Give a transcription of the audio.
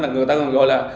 người ta còn gọi là